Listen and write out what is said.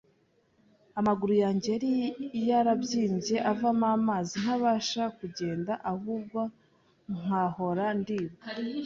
Amaguru yanjye yari yarabyimbye, avamo amazi ntabasha kugenda ahubwo nkahora ndibwa